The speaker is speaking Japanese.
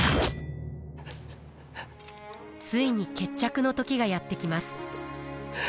ついに決着の時がやって来ます。